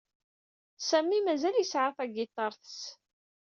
Sami mazal yesɛa tagiṭart-s.